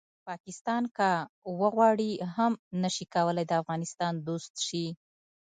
پاکستان که وغواړي هم نه شي کولی د افغانستان دوست شي